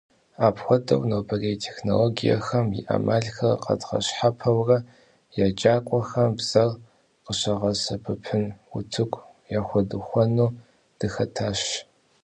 Апхуэдэу, нобэрей технологиехэм и Ӏэмалхэр къэдгъэщхьэпэурэ еджакӀуэхэм бзэр къыщагъэсэбэпын утыку яхуэдухуэну дыхэтащ.